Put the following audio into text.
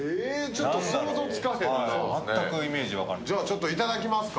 ちょっといただきますか。